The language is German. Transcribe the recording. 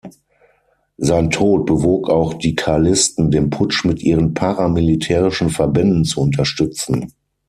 Sein Tod bewog auch die Karlisten, den Putsch mit ihren paramilitärischen Verbänden zu unterstützen.